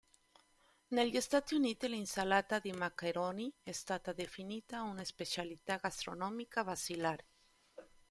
Negli Stati Uniti, l'insalata di maccheroni è stata definita una "specialità gastronomica basilare".